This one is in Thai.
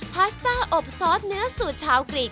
พาสต้าอบซอสเนื้อสูตรชาวกรีด